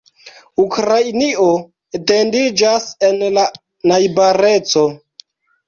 Ukrainio etendiĝas en la najbareco.